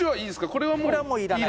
これはもういらない。